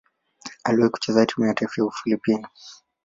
Aliwahi kucheza timu ya taifa ya Ufilipino.